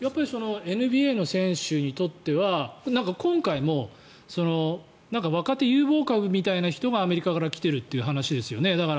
ＮＢＡの選手にとっては今回も、若手有望株みたいな人がアメリカから来てるという話ですよね。